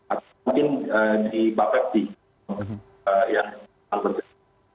atau mungkin di bapept yang bergerak